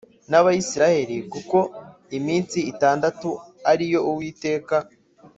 N abisirayeli kuko iminsi itandatu ari yo uwiteka